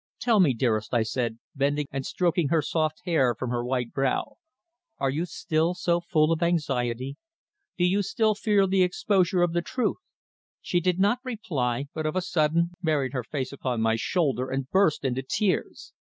"Tell me, dearest," I said, bending and stroking her soft hair from her white brow. "Are you still so full of anxiety? Do you still fear the exposure of the truth?" She did not reply, but of a sudden buried her face upon my shoulder and burst into tears.